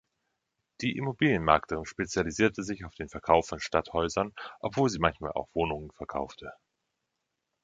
Die Immobilienmaklerin spezialisierte sich auf den Verkauf von Stadthäusern, obwohl sie manchmal auch Wohnungen verkaufte.